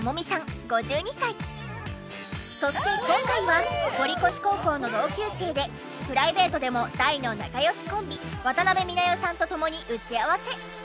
そして今回は堀越高校の同級生でプライベートでも大の仲良しコンビ渡辺美奈代さんとともに打ち合わせ。